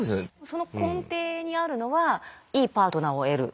その根底にあるのはいいパートナーを得る。